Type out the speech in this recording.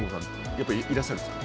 やっぱりいらっしゃるんですか。